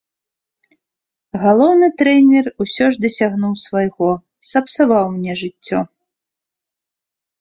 Галоўны трэнер усё ж дасягнуў свайго, сапсаваў мне жыццё.